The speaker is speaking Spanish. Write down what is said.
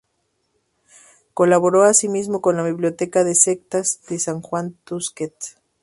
Colaboró asimismo con la biblioteca "Las Sectas" de Juan Tusquets.